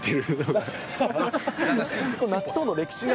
納豆の歴史が。